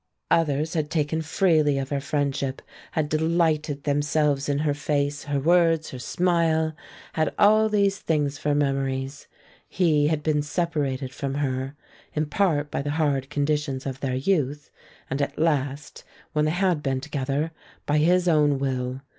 Others had taken freely of her friendship, had delighted themselves in her face, her words, her smile, had all these things for memories. He had been separated from her, in part by the hard conditions of their youth, and at the last, when they had been together, by his own will.